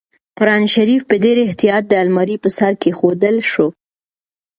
قرانشریف په ډېر احتیاط د المارۍ په سر کېښودل شو.